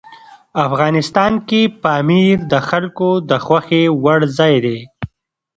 افغانستان کې پامیر د خلکو د خوښې وړ ځای دی.